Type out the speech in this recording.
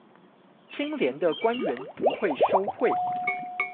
清廉的官員不會收賄